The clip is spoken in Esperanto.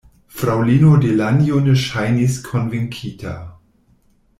Fraŭlino Delanjo ne ŝajnis konvinkita.